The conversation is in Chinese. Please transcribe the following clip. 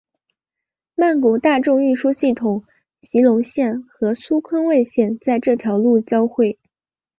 曼谷大众运输系统席隆线和苏坤蔚线在这条路交会。